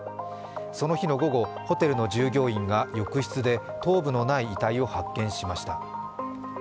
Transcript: その日の午後、ホテルの従業員が浴室で頭部のない遺体を発見しました。